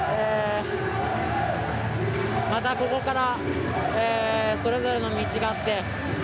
また、ここからそれぞれの道があって